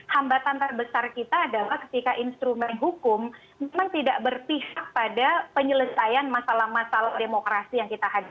hambatan terbesar kita adalah ketika instrumen hukum memang tidak berpihak pada penyelesaian masalah masalah demokrasi yang kita hadapi